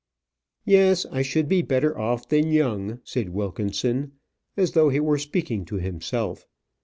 "Yes, I should be better off than Young," said Wilkinson, as though he were speaking to himself.